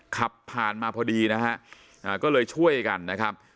ขับผ่านมาพอดีนะฮะก็เลยช่วยกันนะครับ